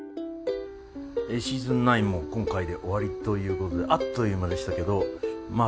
Ｓｅａｓｏｎ９も今回で終わりということであっという間でしたけどまあ